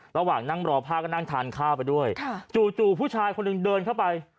ระหว่างนั่งรอผ้าก็นั่งทานข้าวไปด้วยจู่ผู้ชายคนหนึ่งเดินเข้าไป